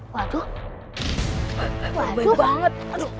waduh banyak banget